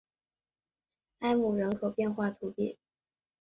埃姆人口变化图示